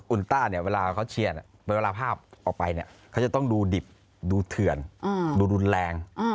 อุลต้าเวลาเขาเชียร์เวลาภาพออกไปเขาจะต้องดูดิบดูเถื่อนดูรุนแรง